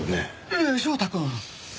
ええ翔太くん。